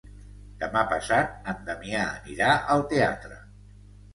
Demà passat en Damià anirà al teatre.